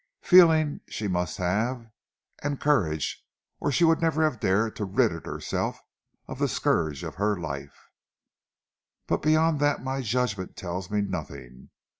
Feeling she must have, and courage, or she would never have dared to have ridded herself of the scourge of her life. But beyond that my judgment tells me nothing.